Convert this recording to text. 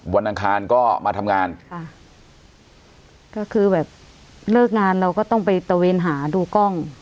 อังคารก็มาทำงานค่ะก็คือแบบเลิกงานเราก็ต้องไปตะเวนหาดูกล้อง